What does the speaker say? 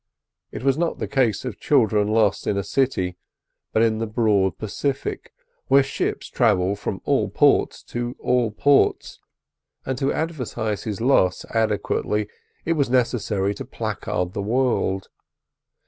It was not the case of children lost in a city, but in the broad Pacific, where ships travel from all ports to all ports, and to advertise his loss adequately it was necessary to placard the world.